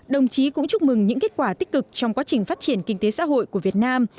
đồng chí cũng chúc mừng những kết quả tích cực trong quá trình phát triển kinh tế xã hội của việt nam